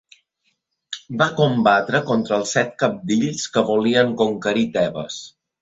Va combatre contra els set Cabdills que volien conquerir Tebes.